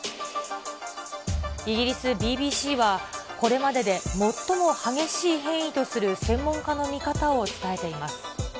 イギリス、ＢＢＣは、これまでで最も激しい変異とする専門家の見方を伝えています。